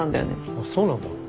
あっそうなんだ。